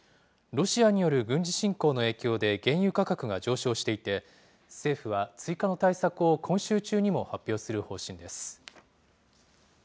ロシアによる軍事侵攻の影響で原油価格が上昇していて、政府は追加の対策を今週中にも発表する方針です。